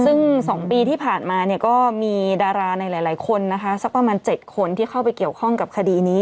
ซึ่ง๒ปีที่ผ่านมาเนี่ยก็มีดาราในหลายคนนะคะสักประมาณ๗คนที่เข้าไปเกี่ยวข้องกับคดีนี้